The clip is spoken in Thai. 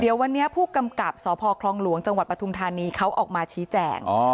เดี๋ยววันนี้ผู้กำกับสพคลองหลวงจปทนเขาออกมาชี้แจ่ง